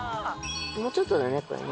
もうちょっとだねこれね。